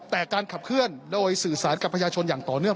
แต่การขับเคลื่อนโดยสื่อสารกับประชาชนอย่างต่อเนื่อง